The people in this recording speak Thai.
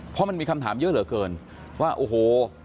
เพราะมันมีคำถามเยอะเหลือเกินว่าโอ้โห